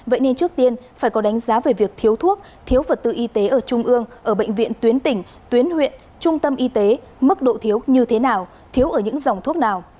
vậy nên trước tiên phải có đánh giá về việc thiếu thuốc thiếu vật tư y tế ở trung ương ở bệnh viện tuyến tỉnh tuyến huyện trung tâm y tế mức độ thiếu như thế nào thiếu ở những dòng thuốc nào